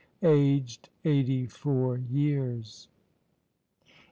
aged eighty four years.